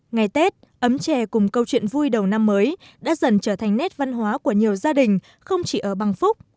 ngày tết ấm trè cùng câu chuyện vui đầu năm mới đã dần trở thành nét văn hóa của nhiều gia đình không chỉ ở bang phúc